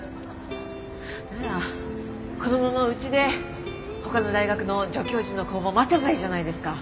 ならこのままうちで他の大学の助教授の公募待てばいいじゃないですか。